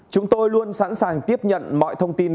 chúng tôi luôn sẵn sàng tiếp nhận mọi thông tin